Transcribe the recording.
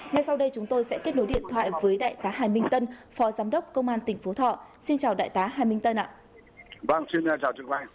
ngay sau đây chúng tôi sẽ kết nối điện thoại với đại tá hà minh tân phó giám đốc công an tỉnh phú thọ xin chào đại tá hà minh tân ạ